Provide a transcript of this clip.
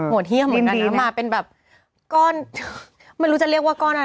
โหทรเยี่ยมเอามาเป็นก้อนไม่รู้จะเรียกว่าก้อนอะไร